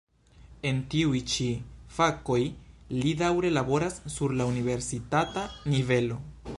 En tiuj ĉi fakoj li daŭre laboras sur la universitata nivelo.